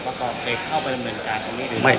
แต่เข้าไปเหมือนกัน